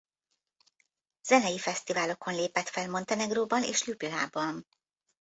Zenei fesztiválokon lépett fel Montenegróban és Ljubljanában.